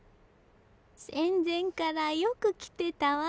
戦前からよく来てたわ。